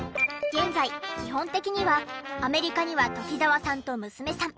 現在基本的にはアメリカには鴇澤さんと娘さん